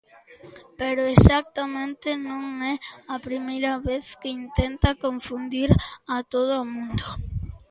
Pero exactamente non é a primeira vez que intenta confundir a todo o mundo.